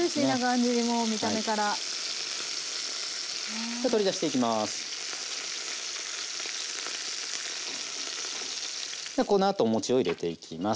じゃこのあとお餅を入れていきます。